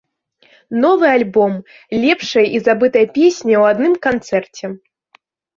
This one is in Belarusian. Новы альбом, лепшыя і забытыя песні ў адным канцэрце!